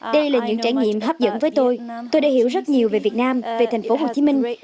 đây là những trải nghiệm hấp dẫn với tôi tôi đã hiểu rất nhiều về việt nam về thành phố hồ chí minh